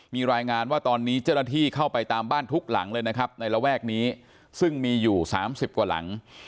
มีรายงานว่าตอนนี้เจ้าหน้าที่เข้าไปตามบ้านทุกหลังเลยนะครับในระแวกนี้ซึ่งมีอยู่๓๐กว่าหลัง